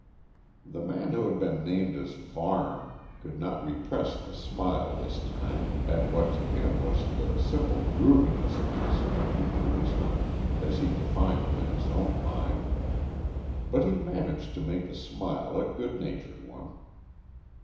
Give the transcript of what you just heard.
The man who had been named as Varne could not repress the smile this time, at what to him was the simple grooviness of this country policeman, as he defined him in his own mind. But he managed to make the smile a good natured one.